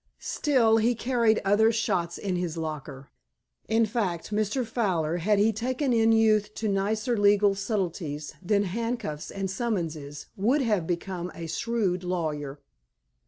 Still, he carried other shots in his locker. In fact, Mr. Fowler, had he taken in youth to nicer legal subtleties than handcuffs and summonses, would have become a shrewd lawyer.